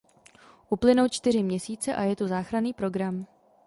Uplynou čtyři měsíce a je tu záchranný program.